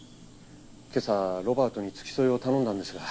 今朝ロバートに付き添いを頼んだんですが。